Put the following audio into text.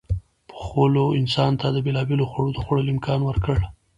پخولو انسان ته د بېلابېلو خوړو د خوړلو امکان ورکړ.